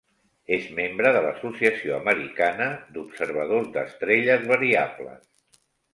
És membre de l'Associació Americana d'Observadors d'Estrelles Variables.